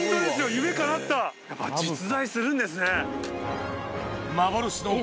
夢かなったやっぱ実在するんですね。